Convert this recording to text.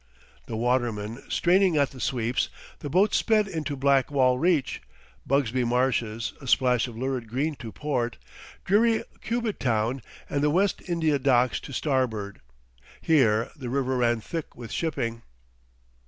The watermen straining at the sweeps, the boat sped into Blackwall Reach, Bugsby Marshes a splash of lurid green to port, dreary Cubitt Town and the West India Docks to starboard. Here the river ran thick with shipping.